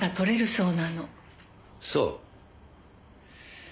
そう。